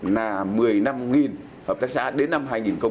là một mươi năm hợp tác xã đến năm hai nghìn hai mươi